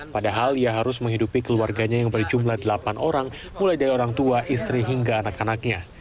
padahal ia harus menghidupi keluarganya yang berjumlah delapan orang mulai dari orang tua istri hingga anak anaknya